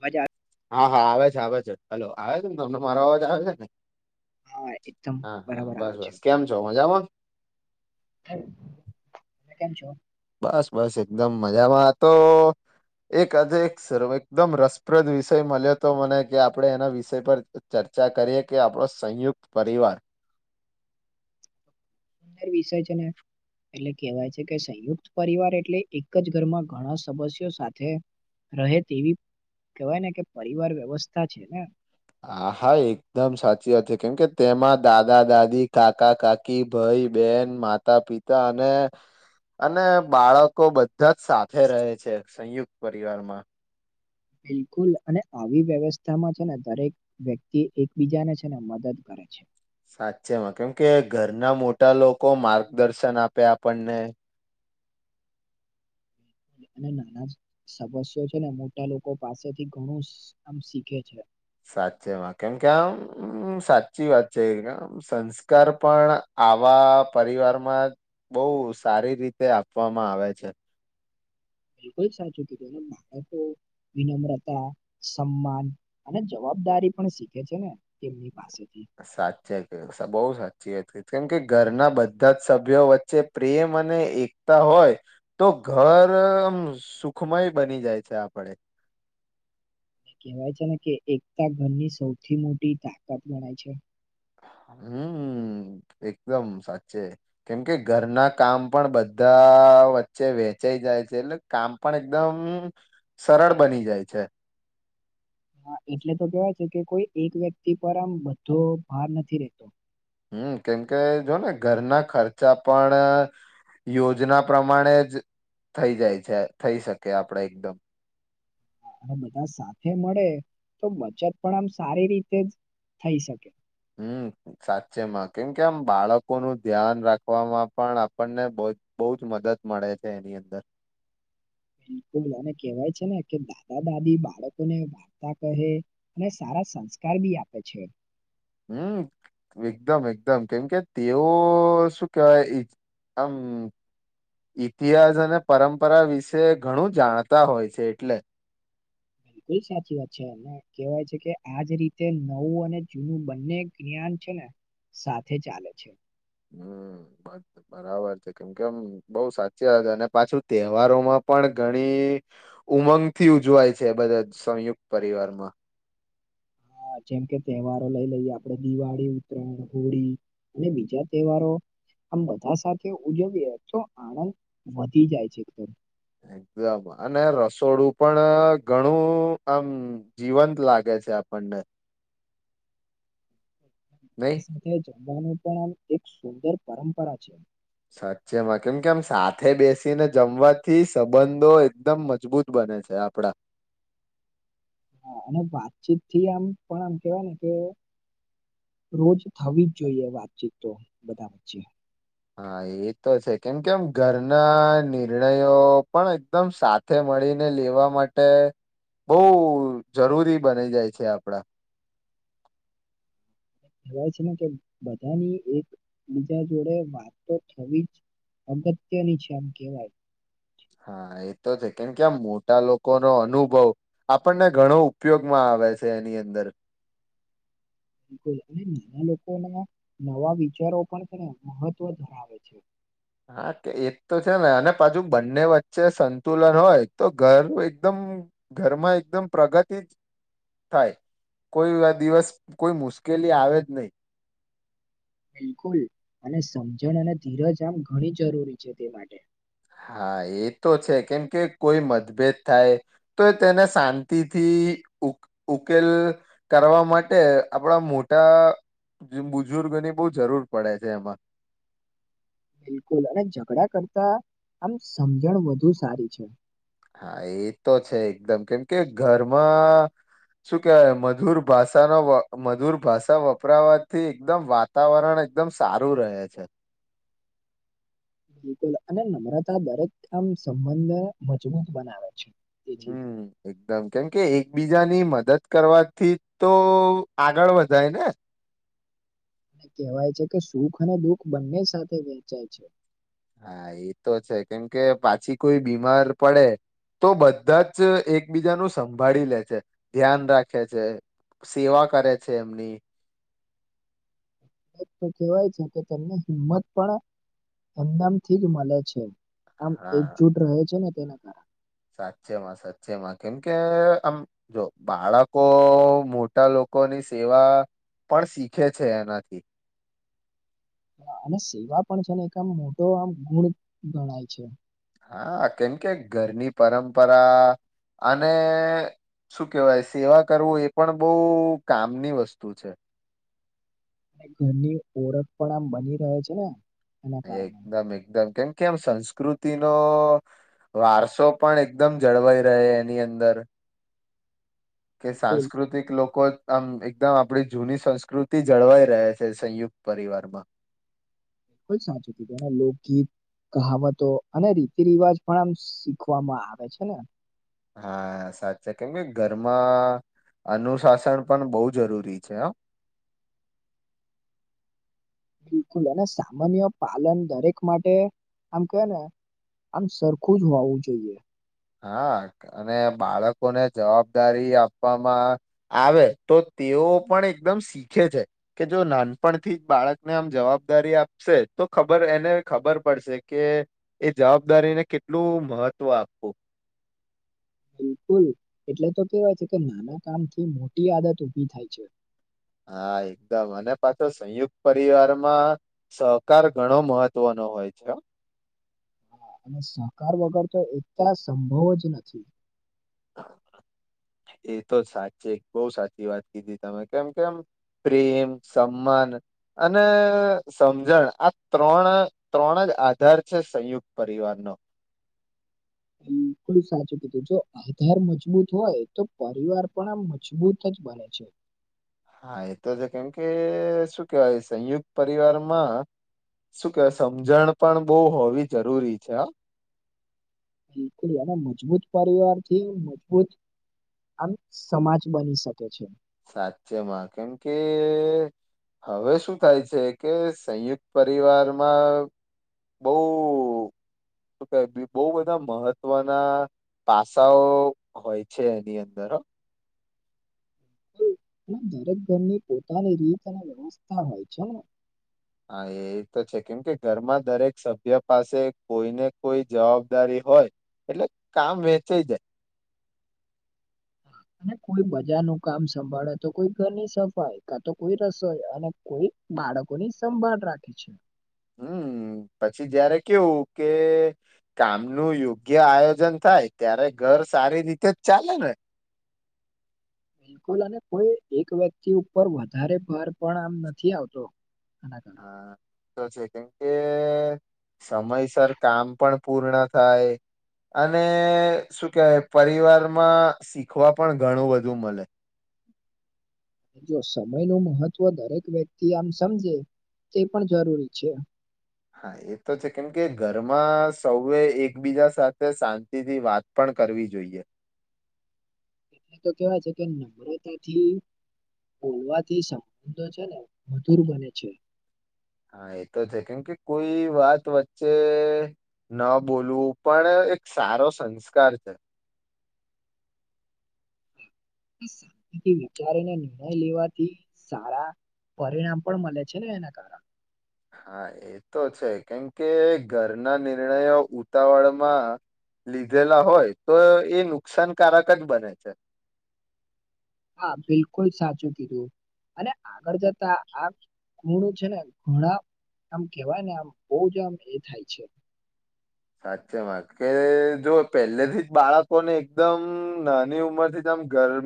મજા. હા, હા આવે છે, આવે છે, હલો, આવે છેને. તમને મારો અવાજ આવે છેને. હા એકદમ હા, હા બરાબર આવે બસ, છે બસ કેમ છો? મજામાં [unintelligible] તમે કેમ છો. બસ, બસ એકદમ મજામાં તો એક આજે એક સર્વે એકદમ રસપ્રદ વિષય મળ્યો હતો, મને કે આપડણે એના વિષય પર ચર્ચા ચર્ચા કરીએ, કે આપડો સંયુક્ત પરિવાર ર વિષય છેને. એટલે કેહેવાય છે, કે સંયુક્ત પરિવાર એટલે એક જ ઘરમા ઘણા સદસ્યો સાથે રહે, તેવી કેવાય ને કે પરિવાર વ્યવસ્થા છેને. આ હા એકદમ સાચી વાત છે, કેમ કે તેમાં દાદા, દાદી કાકા, કાકી ભઈ અલી, બોન નમાતા પિતા અને અને બાળકો બધા જ સાથે રહે છે. સંયુક્ત પરિવારમાં બિલકુલ અને આવી વ્યવસ્થામાં છેને, દરેક વ્યક્તિ એકબીજાને છે, ને મદદ કરે છે. સાચેમાં કેમ કે ઘરના મોટા લોકો, માર્ગદર્શન આપે આપણને અને નાના સમસ્યો છે, ને મોટા લોકો પાસેથી ઘણું આમ શીખે છે. સાચેમાં કેમ કે આમ સાચી વાત છે, એ સંસ્કાર પણ આવા પરિવારમા બહુ, સારી રીતે આપવામાં આવે છે. બિલકુલ સાચું કીધું, માનતો વિનમ્રતા સન્માન અને જવાબ. જવાબદારી પણ શીખે છેને. સાચે, કે [unintelligible] બહુ સાચી હતી, ને કેમ કે ઘરના બધા જ સભ્યો, વચ્ચે પ્રેમ અને એકતા હોય. તો ઘર આમ સુખમય બની જાય છે, આપડે કહેવાય છેને, કે એકતા ઘરની સૌથી મોટી તાકાત ગણાય છે. હમ્મ. એકદમ સાચે, કેમ કે ઘરના કામ પણ બધા વચ્ચે વેચાઈ વેચાઈ જાય છે, એટલે કામ પણ એકદમ સરળ બની જાય છે. હા, એટલે તો કેવાય છે, કે કોઈ એક વ્યક્તિ પર આમ બધો ભાર નથી, રેતો હમ કેમકે જોને ઘરના ખર્ચા પણ યોજના પ્રમાણે જ થઈ જાય છે થઈ શકે આપડે એકદમ અને બધા સાથે મળે તો બચત પણ આમ સારી રીતે જ થઈ શકે હમ સાચેમાં કેમ કે આમ બાળકો નું ધ્યાન રાખવામાં પણ આપણને બ બહુ જ મદદ મળે છે એની અંદર બિલકુલ અને કહેવાય છે ને કે દાદા દાદી બાળકોને વાર્તા કહે અને સારા સંસ્કાર બી આપે છે હમ એકદમ એકદમ કેમ કે તેઓ શું કેવાય એ આમ ઇતિહાસ અને પરંપરા વિશે ઘણું જાણતા હોય છે એટલે બિલકુલ સાચી વાત છે અને કહેવાય છે કે આજ રીતે નવું અને જૂનું બંને જ્ઞાન છે ને સાથે ચાલે છે હમ બસ બરાબર છે કેમ કે આમ બઉ સાચી વાત અને પાછું તહેવારોમાં પણ ઘણી ઉમંગથી ઉજવાય છે બધા સંયુક્ત પરિવારમાં હા જેમ કે તહેવારો લઈ લઈએ આપડે દિવાળી, ઉતરાયણ, હોળી અને બીજા તહેવારો આમ બધા સાથે ઉજવીએ તો આનંદ વધી જાય છે એકદમ એકદમ અને રસોડું પણ ઘણું આમ જીવંત લાગે છે આપણને નહી સાથે જમવાનું પણ આમ એક સુંદર પરંપરા છે સાચેમાં કેમ કે આમ સાથે બેસીને જમવાથી સંબંધો એકદમ મજબૂત બ ને છે આપડા હા અને વાતચીત થી આમ પણ આમ કેવાય ને કે રોજ થવી જ જોઈએ વાતચીત તો બધા વચ્ચે હા એ તો છે કેમ કેમ ઘરના નિર્ણયો પણ એકદમ સાથે મળીને લેવા માટે બઉ જરૂરી બની જાય છે આપડા કહેવાય છે ને કે બધાની એક બીજા જોડે વાત તો થવી જ અગત્યની છે આમ કેવાય હા એ તો છે કેમ કે આ મોટા લોકો નો અનુભવ આપણને ઘણો ઉપયોગમાં આવે છે એની અંદર બિલકુલ અને નાના લોકોના નવા વિચારો પણને મહત્વ ધરાવે છે હા કે એજ તો છે ને અને પાછુ બંને વચ્ચે સંતુલન હોય તો ઘર નું એકદમ નું ઘરમાં એકદમ પ્રગતિ જ થાય કોઈ દિવસ કોઈ મુશ્કેલી આવે જ નઈ બિલકુલ અને સમજણ અને ધીરજ આમ ઘણી જરૂરી છે તે માટે હા એ તો છે કેમ કે કોઈ મતભેદ થાય તો તેને શાંતિથી ઉકેલ કરવા માટે આપડા મોટા બુજુર્ગોની બઉ જરૂર પડે છે એમાં [unintelligible] બિલકુલ અને ઝઘડા કરતા આમ સમજણ વધુ સારી છે હા એ તો છે એકદમ કેમ કે ઘરમાં શું કેવાય મધુર ભાષાનો વ મધુર ભાષા વપરાવાથી એકદમ વાતાવરણ એકદમ સારું રહે છે [unintelligible] બિલકુલ અને નમ્રતા દરેક આમ સંબંધ મજબૂત બનાવે છે તેથી હમ એકદમ કેમ કે એ બીજાની મદદ કરવાથી તો આગળ વધાય ને અને કહેવાય છે કે સુખ અને દુઃખ બંને સાથે વેચાય છે હા એતો છે કેમ કે પાછી કોઈ બીમાર પડે તો બધા જ એકબીજાનું સંભાળી લે છે ધ્યાન રાખે છે સેવા કરે છે એમની [unintelligible] એક તો કેવાય છે કે તેમને હિંમત પણ એમનામથી જ મળે છે આમ હા એકજુટ રહે છે ને તેના કારણે સાચેમાં સાચેમાં કેમ કે આમ જો બાળકો મોટા લોકો લોકોની સેવા પણ શીખે છે એનાથી અને સેવા પણ છે ને એક આમ મોટો આમ ગુણ ગણાય છે હા કેમ કે ઘરની પરંપરા અને શું કેહેવાય સેવા કરવું એ પણ બહુ કામની વસ્તુ છે ઘરની ઓળખ પણ આમ બની રહે છે ને એના કારણે એકદમ એકદમ કેમ કે આમ સંસ્કૃતિ નો વારસો પણ એકદમ જળવાઈ રહે એની અંદર કે બિલકુલ સાંસ્કૃતિક લોકો આમ એકદમ આપણી જૂની સંસ્કૃતિ જળવાઈ રહે છે સંયુક્ત પરિવારમાં ખૂબ જ જ સાચું તેના લોકગીત કહાવતો અને રીતિ રિવાજ પણ આમ શીખવામાં આવે છે ને હા સાચા કેમ કે ઘરમાં અનુશાસન પણ બહુ જરૂરી છે આમ [unintelligible] બિલકુલ અને સામાન્ય પાલન દરેક માટે આમ કે ને આમ સરખું જ હોવું જોઈએ હા અને બાળકોને જવાબદારી આપવામાં આવે તો તેઓ પણ એકદમ શીખે છે કે જો નાનપણથી જ બાળકને આમ જવાબદારી આપશે તો ખબર એને ખબર પડશે કે એ જવાબદારીને કેટલું મહત્વ આપ વુ [inaudible] બિલકુલ એટલે તો કેવાય છે કે નાના કામ થી મોટી આદત ઉભી થાય છે હા એકદમ અને પાછો સંયુક્ત પરિવારમાં સહકાર ઘણો મહત્વનો હોય છે હા અને સહકાર વગર તો એકતા સંભવ જ નથી [unintelligible] એ તો સાચે બહુ સાચી વાત કીધી તમે કેમ કેમ પ્રેમ સન્માન અને સમજણ આ ત્રણ ત્રણ જ આધાર છે સંયુક્ત પરિવાર નો હમ ખૂબ સાચું કીધું જો આધાર મજબૂત હોય તો પરિવાર પણ આ મજબૂત જ બને છે [unintelligible] હા એતો છે કેમ કે શું કેવાય સંયુક્ત પરિવારમાં શું કેવાય સમજણ પણ બહુ હોવી જરૂરી છેહો બિલકુલ એના મજબૂત પરિવાર થી મજબૂત આમ સમાજ બની શકે છે સાચ્યમાં કેમ કે હવે શું થાય છે કે સંયુક્ત પરિવારમાં બઉ શ કે બહ બધા મહત્વના પાસાઓ હોય છે એની અંદર બિલકુલ. અને દરેક ઘરની પોતાની રીત અને વ્યવસ્થા હોય છેને હા એ તો છે કેમ કે ઘરમાં દરેક સભ્ય પાસે કોઈને કોઈ જવાબદારી હોય એટલે કામ વેચાઈ જાય [inaudible] અને કોઈ બજાર નું કામ સંભાળે તો કોઈ ઘરની સફાઈ કા તો કોઈ રસોઈ અને કોઈ બા બાળકોની સંભાળ રાખે છે હમ પછી જયારે કેવું કે કામ નું યોગ્ય આયોજન થાય ત્યારે ઘર સારી રીતે જ ચાલે ને બિલકુલ અને કોઈ એક વ્યક્તિ ઉપર વધારે ભાર પણ આમ નથી આવતો આના કારણે હા તો છે કેમ કે સમયસર કામ પણ પૂર્ણ થાય અને શું કેવાય પરિવારમાં શીખવા પણ ઘણું બધું મળે [inaudible] જો સમય ન મહત્વ દરેક વ્યક્તિ આમ સમજે તે પણ જરૂરી છે હા એ તો છે કેમ કે ઘરમાં સૌએ એકબીજા સાથે શાંતિથી વાત પણ કરવી જોઈએ એટલે તો કેવા છે કે નમ્રતાથી બોલવાથી સંબંધો છે ને મધુર બને છે હા એતો છે કેમ કે કોઈ વાત વચ્ચે ન બોલવું પણ એક સારો સંસ્કાર છે શાંત વિચારીને નિર્ણય લેવાથી સારા પરિણામ પણ મળે છે ને એના કારણ હા એ તો છે કેમકે ઘરના નિર્ણયો ઉતાવળમાં લીધેલા હોય તો એ નુકસાનકારક જ બને છે હા બિલકુલ સાચું કીધું અને આગળ જતા આ ખુણ છે ને ઘણા આમ કેવાય ને આમ બહુ જ આમ એ થાય છે સાચેમાં કે જો પહેલેથી જ બાળકો ને એકદમ નાની ઉંમર થી જ ઘર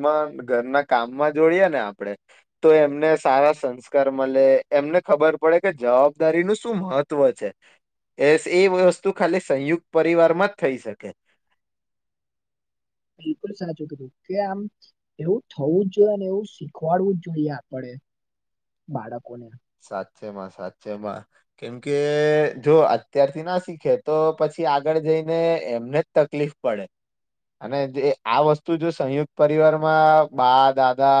ઘરના કામમાં જોઈએ ને આપડે તો એમને સારા સંસ્કાર મળે એમને ખબર પડે કે જવાબદારી નું શું મહત્વ છે એ એ વસ્તુ ખા સંયુક્ત પરિવારમાં જ થઈ શકે બિલકુલ સાચું કીધું કે આમ એવું થવું જ જોઈએ અને એવું શીખવાડવું જ જોઈએ આપે બાળકોને સાચે માં સાચેમાં કેમકે જો અત્યારથી ના શીખે તો પછી પછી આગળ જઈને એમને જ તકલીફ પડે અને જે આ વસ્તુ જો સંયુક્ત પરિવારમાં બા દાદા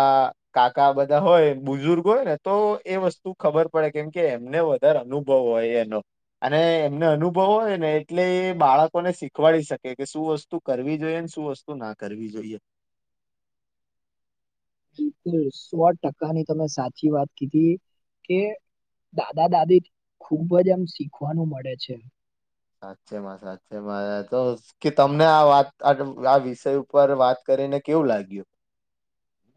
કાકા બધા હોય બુઝુર્ગ હોય ને તો એ વસ્તુ તું ખબર પડે કેમ કે એમને વધારે અનુભવ હોય એનો અને એમને અનુભવ હોય ને એટલે એ બાળકોને શીખવાડી શકે કે શું વસ્તુ કરવી જોઈએ શું વસ્તુ ના કરવી જોઈએ [inaudible] શુ સો ટકાની તમે સાચી વાત કીધી કે દાદા દાદી ખુબ જ એમ શીખવાનું મળે છે સાચેમાં સાચેમાં તો કે તમને આ વાત આ વિષય ઉપર વાત કરી કરીને કેવું લાગ્યું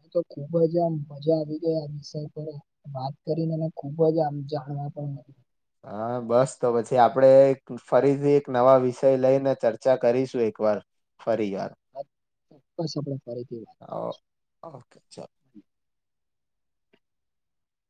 [inaudible] તો ખુબ જ આમ મજા આવી ગઈ આ વિષય પર વાત કરીને એને ખુબ જ આમ જાણવાનું પણ હા બસ તો પછી આપડે ફરીથી એક નવા વિષય લઈને ચર્ચા કરીશું એક એક વાર ફરી જાાર આ ચોક્કસ આપણે ફરીથી વાત કરીએ. ઓ ઓકે ચાલો